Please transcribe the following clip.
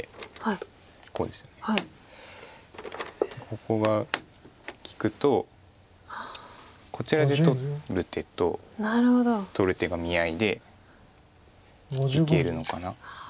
ここが利くとこちらで取る手と取る手が見合いでいけるのかな。